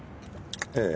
ええ。